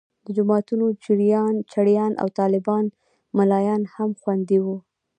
د جوماتونو چړیان او طالبان ملایان هم خوندي وو.